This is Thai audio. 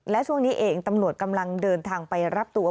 และช่วงนี้เองตำรวจกำลังเดินทางไปรับตัว